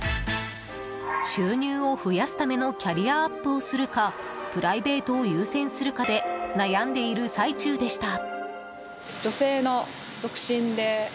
収入を増やすためのキャリアアップをするかプライベートを優先するかで悩んでいる最中でした。